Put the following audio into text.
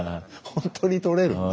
本当にとれるんだ。